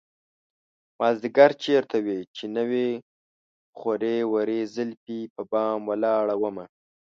مازديگر چېرته وې چې نه وې خورې ورې زلفې په بام ولاړه ومه